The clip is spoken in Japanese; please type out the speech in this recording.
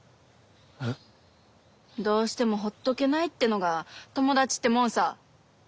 えっ？どうしてもほっとけないってのが友達ってもんさ。